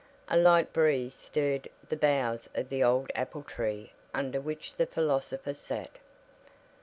A light breeze stirred the boughs of the old apple tree under which the philosopher sat.